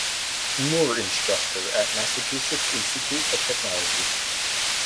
Moore Instructor at Massachusetts Institute of Technology.